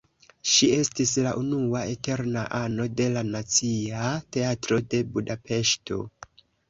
Ŝi estis la unua "eterna ano" de la Nacia Teatro de Budapeŝto.